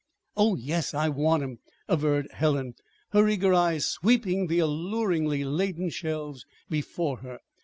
"Oh, yes, I want 'em," averred Helen, her eager eyes sweeping the alluringly laden shelves before her.